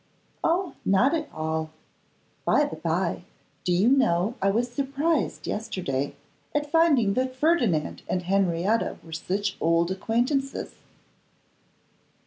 'Oh! not at all. By the bye, do you know I was surprised yesterday at finding that Ferdinand and Henrietta were such old acquaintances.